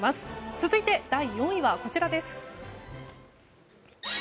続いて第４位はこちらです。